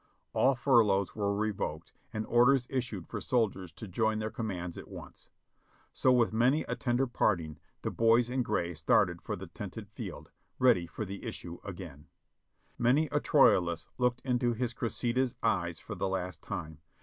All furloughs were revoked and orders issued for soldiers to join their commands at once. So with many a tender parting, the boys in gray started for the tented field, ready for the issue a^ain. 522 JOHNNY REB AND BII.LY YANK Many a Troilus looked into his Cressida's eyes for the last time.